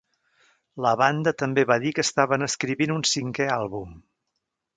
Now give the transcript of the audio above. La banda també va dir que estaven escrivint un cinquè àlbum.